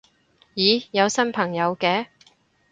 咦有新朋友嘅